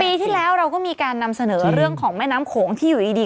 ปีที่แล้วเราก็มีการนำเสนอเรื่องของแม่น้ำโขงที่อยู่ดี